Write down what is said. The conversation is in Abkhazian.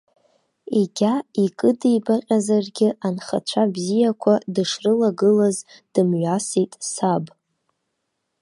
Егьа икыдибаҟьазаргьы, анхацәа бзиақәа дышрылагылаз дымҩасит саб.